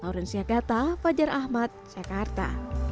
lawrence yakarta fajar ahmad jakarta